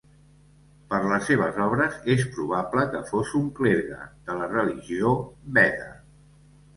Per les seves obres, és probable que fos un clergue de la religió veda.